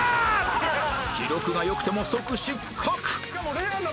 記録が良くても即失格